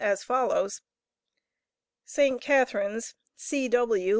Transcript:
as follows: ST. CATHARINES, C.W.